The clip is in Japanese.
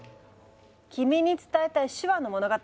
「君に伝えたい手話の物語」？